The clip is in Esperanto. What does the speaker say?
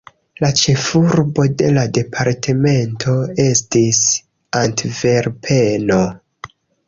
La ĉefurbo de la departemento estis Antverpeno.